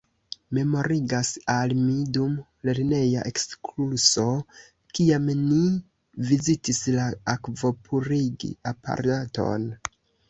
Memorigas al mi dum lerneja ekskurso kiam ni vizitis la akvopurig-aparaton...